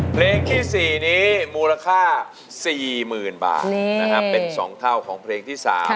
เพลงที่๔นี้มูลค่า๔๐๐๐บาทนะครับเป็น๒เท่าของเพลงที่๓